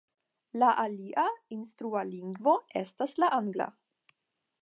La alia instrua lingvo estas la angla.